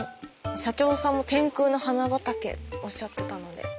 社長さんも「天空の花畑」おっしゃってたので。